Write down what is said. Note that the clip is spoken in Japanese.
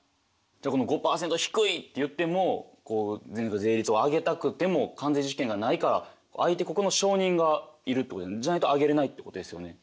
じゃあこの５％低いって言ってもこう税率を上げたくても関税自主権がないから相手国の承認がいるってことでじゃないと上げれないってことですよね。